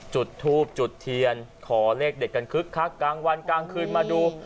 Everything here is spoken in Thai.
จุดทูบจุดเทียนขอเลขเด็ดกันคึกคักกลางวันกลางคืนมาดู